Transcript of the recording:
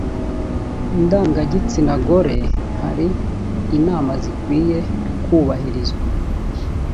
ndangagitsina gore hari inama zikwiye kubahirizwa.